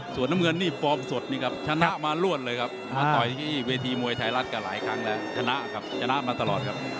ส่วนน้ำเงินนี่ฟอร์มสดนี่ครับชนะมารวดเลยครับมาต่อยที่เวทีมวยไทยรัฐกับหลายครั้งแล้วชนะครับชนะมาตลอดครับ